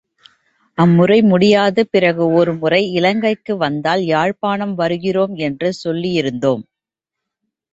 அம்முறை முடியாது பிறகு ஒரு முறை இலங்கைக்கு வந்தால், யாழ்ப்பாணம் வருகிறோம் என்று சொல்லியிருந்தோம்.